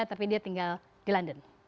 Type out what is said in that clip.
tapi dia tinggal di london